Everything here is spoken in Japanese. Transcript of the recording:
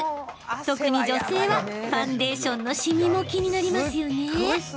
特に女性はファンデーションのシミも気になりますよね？